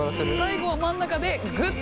最後は真ん中でグッと。